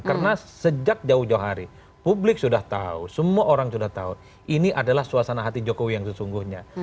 karena sejak jauh jauh hari publik sudah tahu semua orang sudah tahu ini adalah suasana hati jokowi yang sesungguhnya